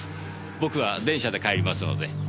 僕は電車で帰りますので。